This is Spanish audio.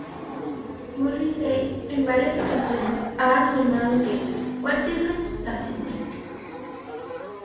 Morrissey en varias ocasiones ha afirmado que "What Difference Does It Make?